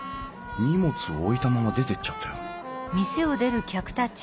荷物を置いたまま出てっちゃったよ